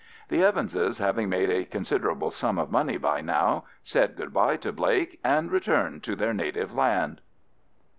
The Evanses, having made a considerable sum of money by now, said good bye to Blake, and returned to their native land.